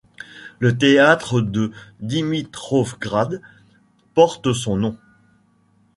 Le théâtre de Dimitrovgrad porte son nom.